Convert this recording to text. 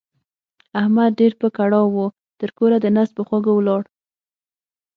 احمد ډېر په کړاو وو؛ تر کوره د نس په خوږو ولاړ.